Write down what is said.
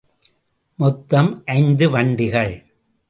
மொத்தம் ஐந்து வண்டிகள்.